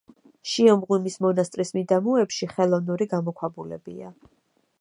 შიომღვიმის მონასტრის მიდამოებში ხელოვნური გამოქვაბულებია.